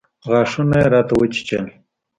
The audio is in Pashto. غاښونه يې راته وچيچل.